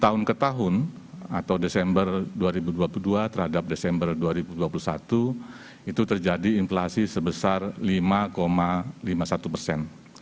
tahun ke tahun atau desember dua ribu dua puluh dua terhadap desember dua ribu dua puluh satu itu terjadi inflasi sebesar lima lima puluh satu persen